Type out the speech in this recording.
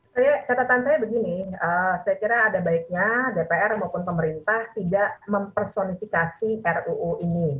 saya kira ada baiknya dpr maupun pemerintah tidak mempersonifikasi ruu ini